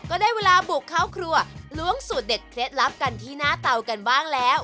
ก็ได้เวลาบุกเข้าครัวล้วงสูตรเด็ดเคล็ดลับกันที่หน้าเตากันบ้างแล้ว